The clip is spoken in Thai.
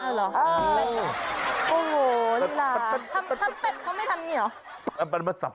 อ๋อเหรอโอ้โฮละทำเป็ดเขาไม่ทำอย่างนี้เหรอ